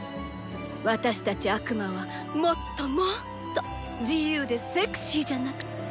私たち悪魔はもっともっと自由でセクシーじゃなくちゃ。